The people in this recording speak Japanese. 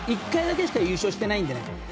１回だけしか優勝してないんでね。